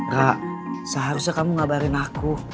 gak seharusnya kamu ngabarin aku